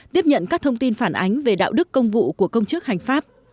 tiếp nhận các thông tin phản ánh về đạo đức công vụ của công chức hành pháp